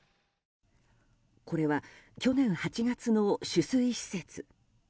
これは、去年８月の取水施設。